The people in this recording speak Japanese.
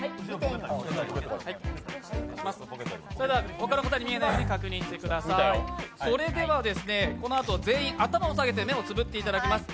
他の方に見えないように確認してください、それではこのあと全員、頭を下げて目をつぶっていただきます。